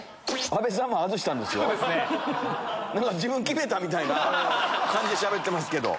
自分決めたみたいな感じでしゃべってますけど。